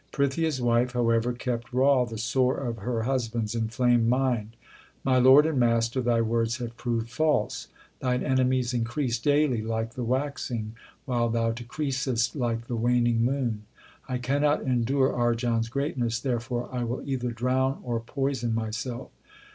Prithia s wife, however, kept raw the sore of her husband s inflamed mind : My lord and master, thy words have proved false. Thine enemies increase daily like the waxing, while thou decreasest like the waning moon. I cannot endure Arjan s greatness, therefore I will either drown or poison myself.